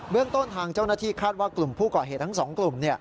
เรื่องต้นทางเจ้าหน้าที่คาดว่ากลุ่มผู้ก่อเหตุทั้งสองกลุ่ม